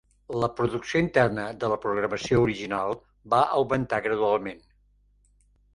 La producció interna de la programació original va augmentar gradualment.